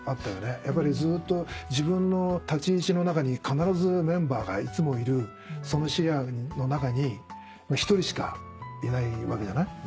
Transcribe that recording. やっぱりずっと自分の立ち位置の中に必ずメンバーがいつもいるその視野の中に１人しかいないわけじゃない。